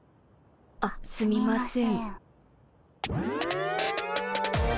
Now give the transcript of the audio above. あっすみません。